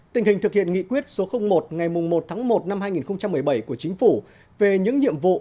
tình hình thực hiện nghị quyết số một ngày một tháng một năm hai nghìn một mươi bảy của chính phủ về những nhiệm vụ